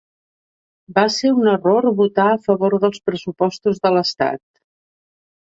Va ser un error votar a favor dels pressupostos de l'estat.